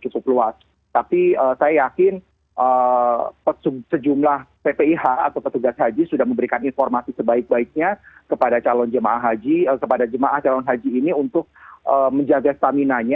tetapi saya yakin sejumlah ppih atau petugas haji sudah memberikan informasi sebaik baiknya kepada jemaah calon haji ini untuk menjaga stamina nya